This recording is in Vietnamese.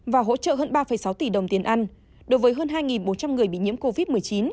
và hỗ trợ hơn ba sáu tỷ đồng tiền ăn đối với hơn hai bốn trăm linh người bị nhiễm covid một mươi chín